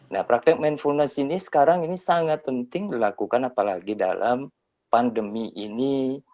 nah praktek mindfulness ini sekarang ini sangat penting dilakukan apalagi dalam pandemi ini